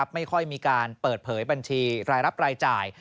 ไม่ค่อยมีการเปิดเผยบัญชีรายรับรายจ่าย